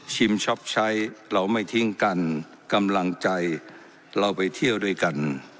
ช็อปใช้เราไม่ทิ้งกันกำลังใจเราไปเที่ยวด้วยกัน